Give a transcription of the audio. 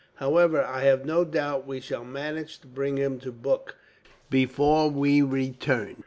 However, I have no doubt we shall manage to bring him to book, before we return.